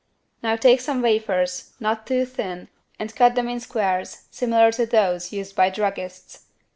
Now take some wafers, not too thin and cut them in squares similar to those used by druggists.